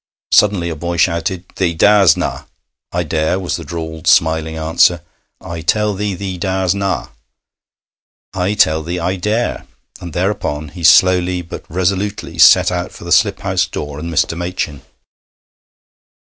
Suddenly a boy shouted: 'Thee dars' na'!' 'I dare,' was the drawled, smiling answer. 'I tell thee thee dars' na'!' 'I tell thee I dare.' And thereupon he slowly but resolutely set out for the slip house door and Mr. Machin.